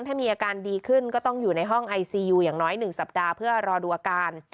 ถ้ามีอาการดีขึ้นก็ต้องอยู่ในห้องไอซียูอย่างน้อย๑สัปดาห์เพื่อรอดูอาการ